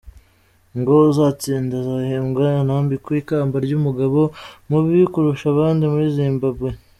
Ngo uzatsinda azahembwa anambikwe ikamba ry’umugabo mubi kurusha abandi muri Zimbabwe.